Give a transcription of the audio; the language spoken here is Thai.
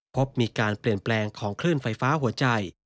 พบมีการเปลี่ยนแปลงของคลื่นไฟฟ้าหัวใจ